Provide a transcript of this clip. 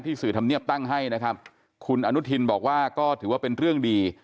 สื่อธรรมเนียบตั้งให้นะครับคุณอนุทินบอกว่าก็ถือว่าเป็นเรื่องดี